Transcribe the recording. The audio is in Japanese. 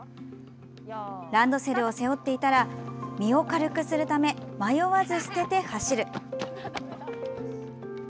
ランドセルを背負っていたら身を軽くするため迷わず捨てて走る。